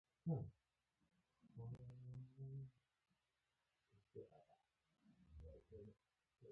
پاروګان مې له اوبو را وویستل او په سیټ کې مې ځان وغورځاوه.